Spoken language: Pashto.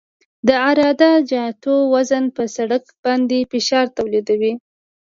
د عراده جاتو وزن په سرک باندې فشار تولیدوي